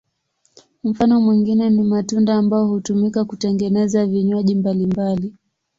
Mfano mwingine ni matunda ambayo hutumika kutengeneza vinywaji mbalimbali.